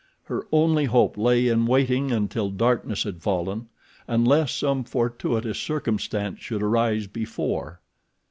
Her only hope lay in waiting until darkness had fallen, unless some fortuitous circumstance should arise before.